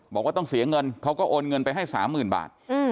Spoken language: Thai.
บอกว่าต้องเสียเงินเขาก็โอนเงินไปให้๓๐๐๐บาท